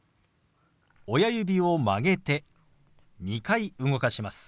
親指を曲げて２回動かします。